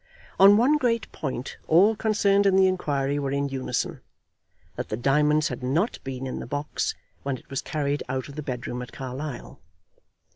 On one great point all concerned in the inquiry were in unison, that the diamonds had not been in the box when it was carried out of the bedroom at Carlisle.